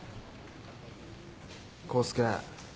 康介。